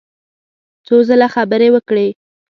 څو ځله خبرې وکړې.